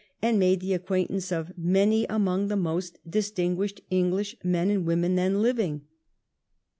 11 and made the acquaintance of many among the most distinguished English men and women then living.